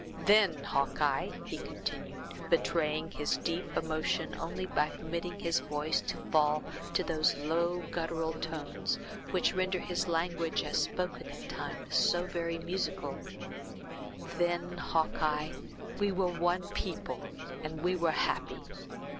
Then, Hawkeye," he continued, betraying his deep emotion, only by permitting his voice to fall to those low, guttural tones, which render his language, as spoken at times, so very musical; "then, Hawkeye, we were one people, and we were happy.